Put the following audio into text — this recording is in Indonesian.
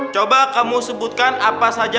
coba kamu sebutkan apa saja